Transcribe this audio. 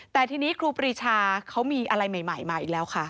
แต่ทีนี้ครูปรีชาเขามีอะไรใหม่มาอีกแล้วค่ะ